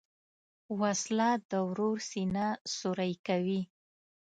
وسله د ورور سینه سوری کوي